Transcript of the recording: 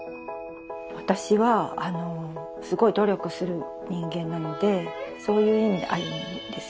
私はすごい努力する人間なのでそういう意味で亜弓ですよね。